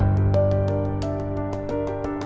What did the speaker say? gua tandai duk al